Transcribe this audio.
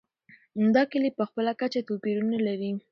دا کلي په خپله کچه توپیرونه لري.